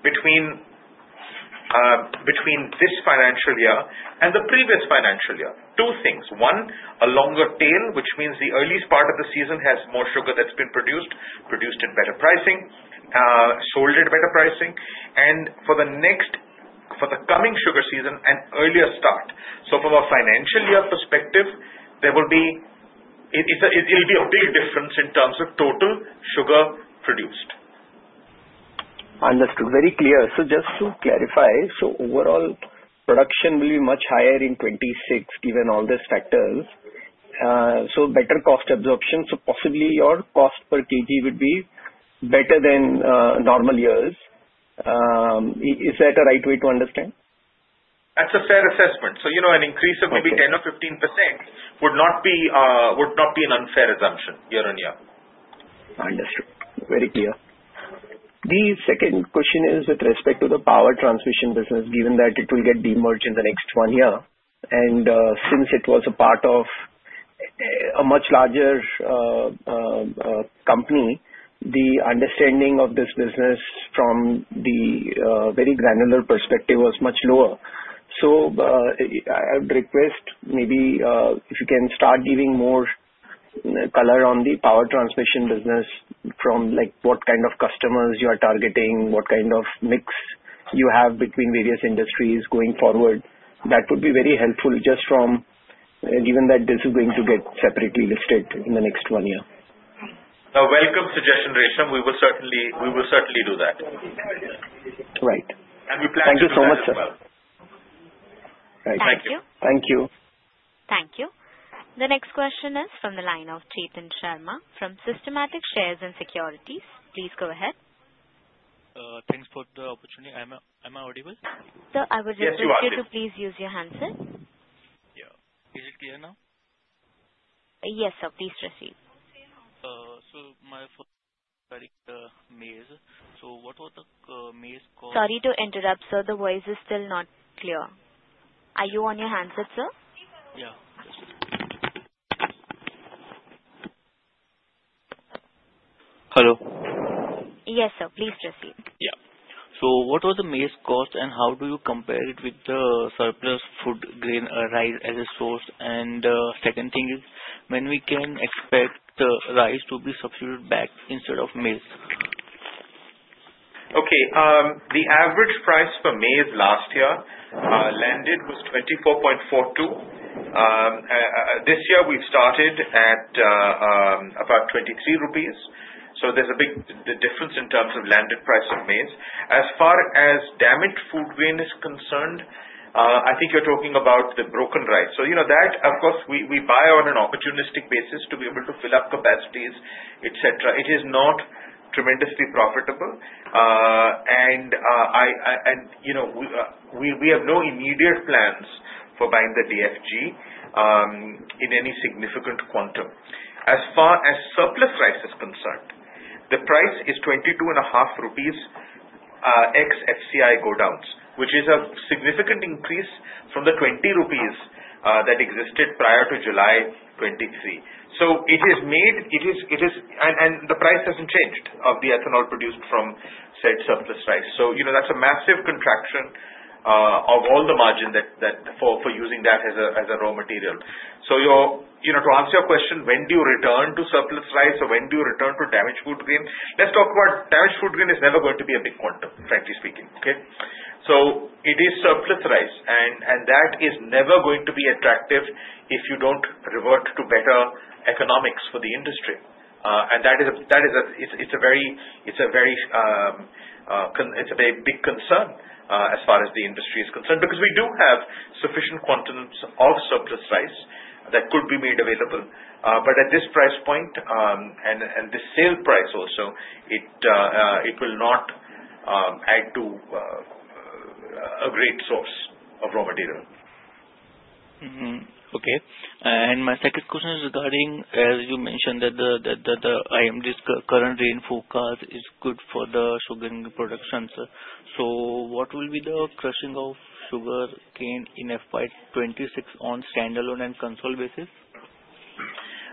between this financial year and the previous financial year. Two things. One, a longer tail, which means the earliest part of the season has more sugar that's been produced, produced at better pricing, sold at better pricing. For the coming sugar season, an earlier start. From a financial year perspective, it'll be a big difference in terms of total sugar produced. Understood. Very clear. Just to clarify, overall production will be much higher in 26 given all these factors. Better cost absorption. Possibly your cost per kg would be better than normal years. Is that a right way to understand? That's a fair assessment. An increase of maybe 10% or 15% would not be an unfair assumption year on year. Understood. Very clear. The second question is with respect to the power transmission business, given that it will get de-merged in the next one year. And since it was a part of a much larger company, the understanding of this business from the very granular perspective was much lower. So I would request maybe if you can start giving more color on the power transmission business from what kind of customers you are targeting, what kind of mix you have between various industries going forward. That would be very helpful just from given that this is going to get separately listed in the next one year. A welcome suggestion, Resham. We will certainly do that. Right. And we plan to do that as well. Thank you. Thank you. Thank you. The next question is from the line of Chetan Sharma from Systematix Shares & Stocks. Please go ahead. Thanks for the opportunity. Am I audible? So I would just like you to please use your handset. Yeah. Is it clear now? Yes, sir. Please proceed. So my phone is very noisy. Sorry to interrupt, sir. The voice is still not clear. Are you on your handset, sir? Yeah. Hello? Yes, sir. Please proceed. Yeah. So what was the maize cost and how do you compare it with the surplus food grain rice as a source? And second thing is, when we can expect the rice to be substituted back instead of maize? Okay. The average price for maize last year landed was 24.42. This year, we've started at about 23 rupees. So there's a big difference in terms of landed price of maize. As far as surplus food grain is concerned, I think you're talking about the broken rice. So that, of course, we buy on an opportunistic basis to be able to fill up capacities, etc. It is not tremendously profitable. We have no immediate plans for buying the DFG in any significant quantum. As far as surplus rice is concerned, the price is 22.5 rupees ex-FCI godowns, which is a significant increase from the 20 rupees that existed prior to July 23. The margin and the price hasn't changed for the ethanol produced from said surplus rice. That's a massive contraction of all the margin for using that as a raw material. To answer your question, when do you return to surplus rice or when do you return to damaged food grain? Let's talk about damaged food grain. It is never going to be a big quantum, frankly speaking. Okay? It is surplus rice. That is never going to be attractive if you don't revert to better economics for the industry. And that is a very big concern as far as the industry is concerned because we do have sufficient quantities of surplus rice that could be made available. But at this price point and the sale price also, it will not add to a great source of raw material. Okay. And my second question is regarding, as you mentioned, that the IMD's current rainfall forecast is good for the sugar production, sir. So what will be the crushing of sugarcane in FY26 on standalone and consolidated basis?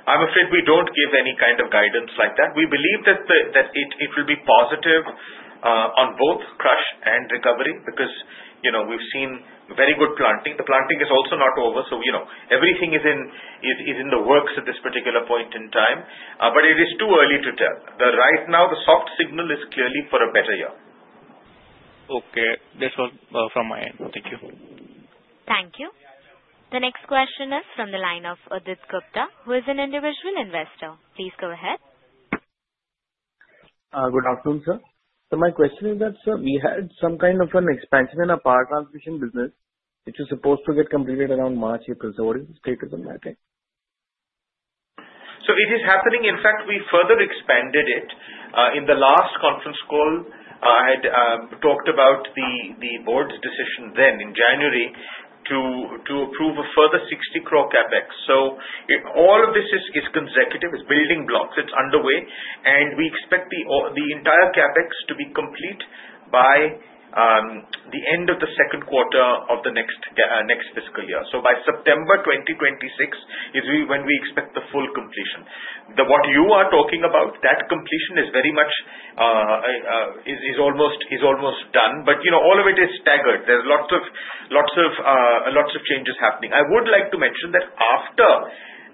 I'm afraid we don't give any kind of guidance like that. We believe that it will be positive on both crush and recovery because we've seen very good planting. The planting is also not over. So everything is in the works at this particular point in time. But it is too early to tell. Right now, the soft signal is clearly for a better year. Okay. That's all from my end. Thank you. Thank you. The next question is from the line of Adit Gupta, who is an individual investor. Please go ahead. Good afternoon, sir. So my question is that, sir, we had some kind of an expansion in our power transmission business, which was supposed to get completed around March, April. So what is the status on that? So it is happening. In fact, we further expanded it. In the last conference call, I had talked about the board's decision then in January to approve a further 60 crore CapEx. So all of this is consecutive. It's building blocks. It's underway. And we expect the entire CapEx to be complete by the end of the second quarter of the next fiscal year. So by September 2026 is when we expect the full completion. What you are talking about, that completion is very much almost done. But all of it is staggered. There's lots of changes happening. I would like to mention that after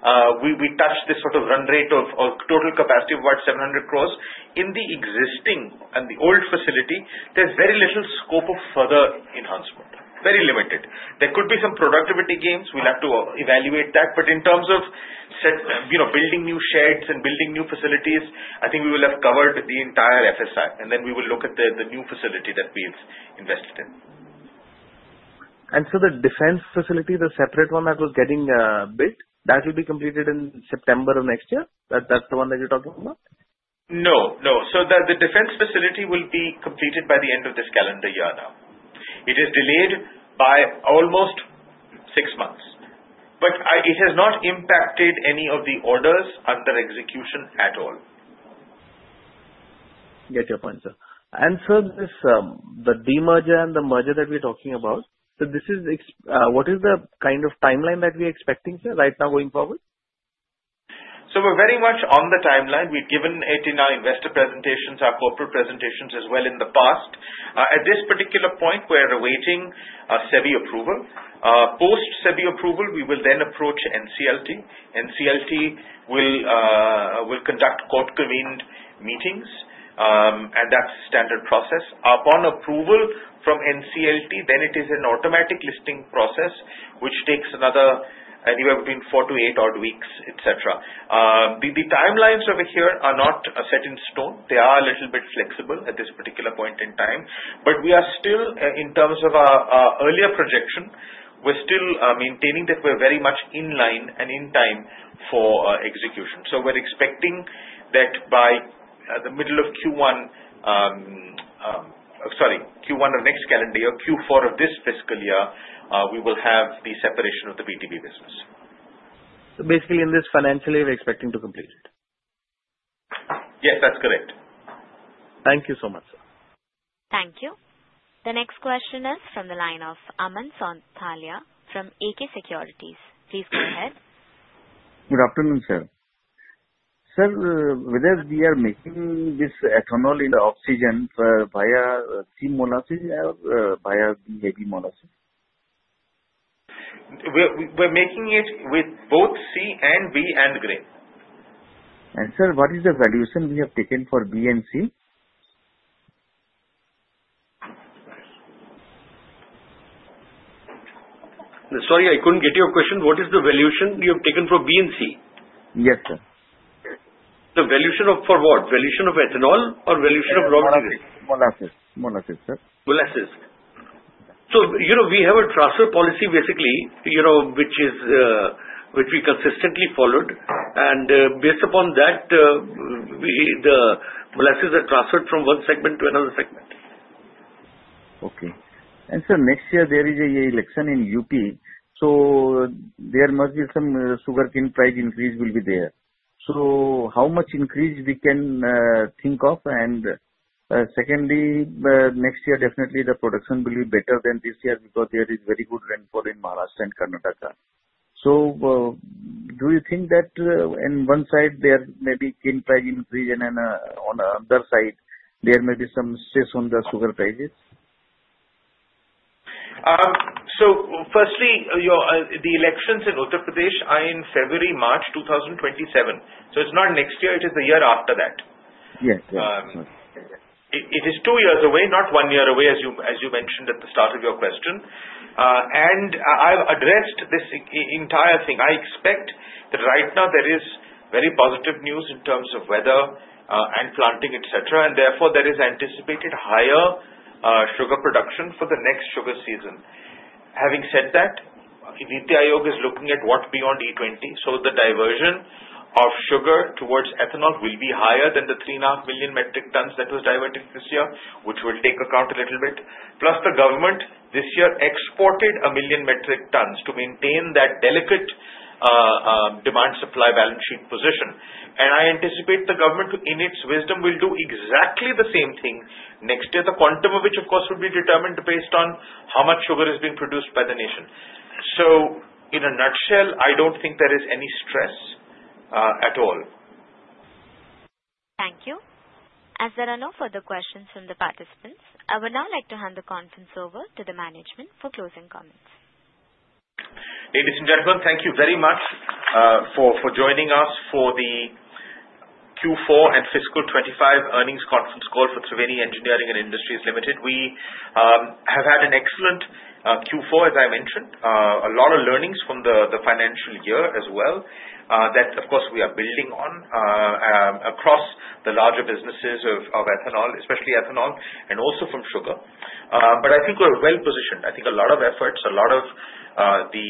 we touched this sort of run rate of total capacity of about 700 crores in the existing and the old facility, there's very little scope of further enhancement. Very limited. There could be some productivity gains. We'll have to evaluate that. But in terms of building new sheds and building new facilities, I think we will have covered the entire FSI. And then we will look at the new facility that we've invested in. And so the defense facility, the separate one that was getting built, that will be completed in September of next year? That's the one that you're talking about? No. No. So the defense facility will be completed by the end of this calendar year now. It is delayed by almost six months. But it has not impacted any of the orders under execution at all. Got your point, sir. And sir, the de-merger and the merger that we're talking about, so what is the kind of timeline that we're expecting, sir, right now going forward? So we're very much on the timeline. We've given it in our investor presentations, our corporate presentations as well in the past. At this particular point, we're awaiting a SEBI approval. Post-SEBI approval, we will then approach NCLT. NCLT will conduct court-convened meetings. And that's a standard process. Upon approval from NCLT, then it is an automatic listing process, which takes another anywhere between four to eight odd weeks, etc. The timelines over here are not set in stone. They are a little bit flexible at this particular point in time. But we are still, in terms of our earlier projection, we're still maintaining that we're very much in line and in time for execution. So we're expecting that by the middle of Q1 sorry, Q1 of next calendar year, Q4 of this fiscal year, we will have the separation of the PTB business. So basically, in this financial year, we're expecting to complete it. Yes, that's correct. Thank you so much, sir. Thank you. The next question is from the line of Aman Sonthalia from A.K. Securities. Please go ahead. Good afternoon, sir. Sir, whether we are making this ethanol in oxygen via C molasses or via B-heavy molasses? We're making it with both C and B and grain. And sir, what is the valuation we have taken for B and C? Sorry, I couldn't get your question. What is the valuation you have taken for B and C? Yes, sir. The valuation for what? Valuation of ethanol or valuation of raw material? Molasses. Molasses. Molasses, sir. Molasses. So we have a transfer policy, basically, which we consistently followed. And based upon that, the molasses are transferred from one segment to another segment. Okay. And sir, next year, there is an election in UP. So there must be some sugarcane price increase will be there. So how much increase we can think of? And secondly, next year, definitely the production will be better than this year because there is very good rainfall in Maharashtra and Karnataka. So do you think that on one side, there may be cane price increase, and on the other side, there may be some stress on the sugar prices? So firstly, the elections in Uttar Pradesh are in February, March 2027. It's not next year. It is the year after that. Yes. Yes. It is two years away, not one year away, as you mentioned at the start of your question. I've addressed this entire thing. I expect that right now, there is very positive news in terms of weather and planting, etc. Therefore, there is anticipated higher sugar production for the next sugar season. Having said that, the NITI Aayog is looking at what beyond E20. The diversion of sugar towards ethanol will be higher than the 3.5 million metric tons that was diverted this year, which will take account a little bit. Plus, the government this year exported 1 million metric tons to maintain that delicate demand-supply balance sheet position. I anticipate the government, in its wisdom, will do exactly the same thing next year, the quantum of which, of course, will be determined based on how much sugar is being produced by the nation. So in a nutshell, I don't think there is any stress at all. Thank you. As there are no further questions from the participants, I would now like to hand the conference over to the management for closing comments. Ladies and gentlemen, thank you very much for joining us for the Q4 and FY25 earnings conference call for Triveni Engineering & Industries Limited. We have had an excellent Q4, as I mentioned, a lot of learnings from the financial year as well that, of course, we are building on across the larger businesses of ethanol, especially ethanol, and also from sugar, but I think we're well positioned. I think a lot of efforts, a lot of the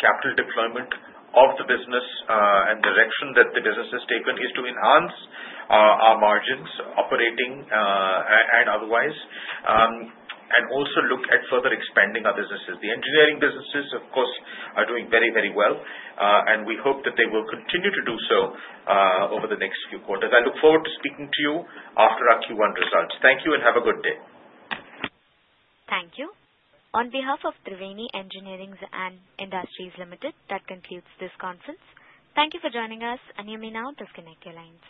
capital deployment of the business and the direction that the business has taken is to enhance our margins operating and otherwise, and also look at further expanding our businesses. The engineering businesses, of course, are doing very, very well. And we hope that they will continue to do so over the next few quarters. I look forward to speaking to you after our Q1 results. Thank you and have a good day. Thank you. On behalf of Triveni Engineering & Industries Limited, that concludes this conference. Thank you for joining us, and you may now disconnect your lines.